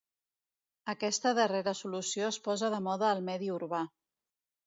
Aquesta darrera solució es posa de moda al medi urbà.